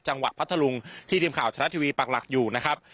จังหวัดพัทธลุงที่ทีมข่าวทางด้านทีวีปรักหลักอยู่นะครับ